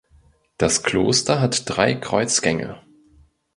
Das Kloster hat drei Kreuzgänge.